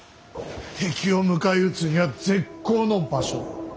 敵を迎え撃つには絶好の場所だ。